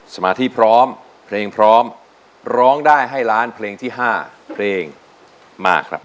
สมาธิพร้อมเพลงพร้อมร้องได้ให้ล้านเพลงที่๕เพลงมาครับ